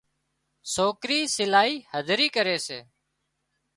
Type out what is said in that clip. سوڪرِي سلائي هڌري ڪري سي